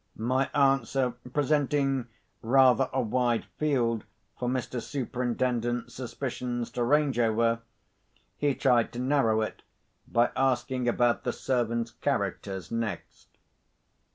My answer presenting rather a wide field for Mr. Superintendent's suspicions to range over, he tried to narrow it by asking about the servants' characters next.